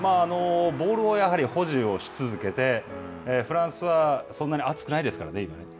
ボールを保持をし続けてフランスはそんなに暑くないですからね。